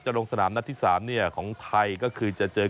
จากโรงสนามหน้าที่๓เนี่ยของไทยก็คือจะเจอกับ